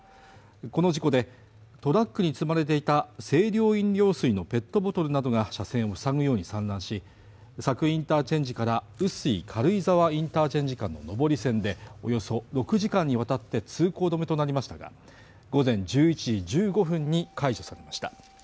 この事故でトラックに積まれていた清涼飲料水のペットボトルなどが車線をふさぐように散乱し、佐久インターチェンジから碓氷軽井沢インターチェンジ間の上り線で、およそ６時間にわたって通行止めとなりましたが、午前１１時１５分に解除されました。